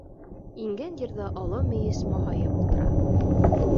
Ингән ерҙә оло мейес маһайып ултыра.